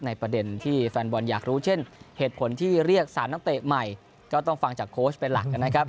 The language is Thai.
ประเด็นที่แฟนบอลอยากรู้เช่นเหตุผลที่เรียก๓นักเตะใหม่ก็ต้องฟังจากโค้ชเป็นหลักนะครับ